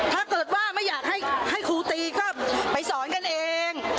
ถ้าเกิดว่าไม่อยากให้ครูตีก็ไปสอนกันเอง